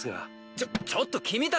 ちょちょっと君たち！